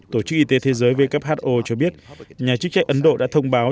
tổ chức y tế thế giới who cho biết nhà chức trách ấn độ đã thông báo